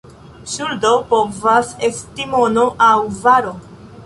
Ŝuldo povas esti mono aŭ varo.